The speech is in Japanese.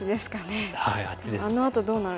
あのあとどうなるのか。